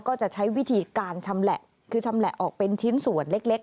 ก็จะใช้วิธีการชำแหละคือชำแหละออกเป็นชิ้นส่วนเล็ก